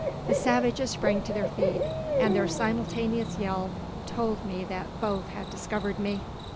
The savages sprang to their feet, and their simultaneous yell told me that both had discovered me.